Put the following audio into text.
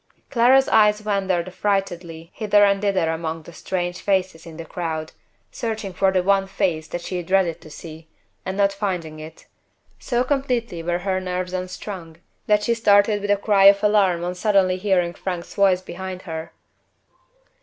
Clara's eyes wandered affrightedly hither and thither among the strange faces in the crowd; searching for the one face that she dreaded to see, and not finding it. So completely were her nerves unstrung, that she started with a cry of alarm on suddenly hearing Frank's voice behind her.